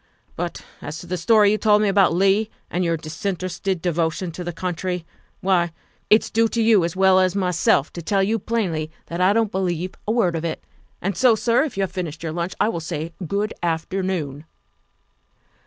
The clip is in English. But as to the story you told me about Leigh and your disinterested devotion to the country, why, it's due to you as well as myself to tell you plainly that I don't believe a word of it. And so, sir, if you have finished your lunch, I will say good afternoon."